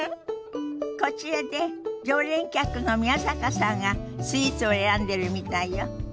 こちらで常連客の宮坂さんがスイーツを選んでるみたいよ。